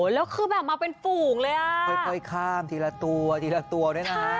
แล้วคือแบบมาเป็นฝูงเลยอ่ะค่อยข้ามทีละตัวทีละตัวด้วยนะ